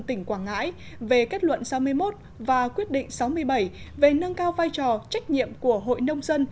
tỉnh quảng ngãi về kết luận sáu mươi một và quyết định sáu mươi bảy về nâng cao vai trò trách nhiệm của hội nông dân